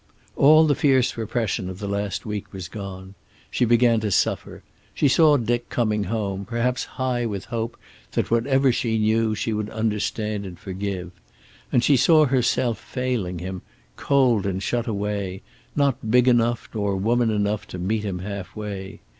All the fierce repression of the last weeks was gone. She began to suffer. She saw Dick coming home, perhaps high with hope that whatever she knew she would understand and forgive. And she saw herself failing him, cold and shut away, not big enough nor woman enough to meet him half way.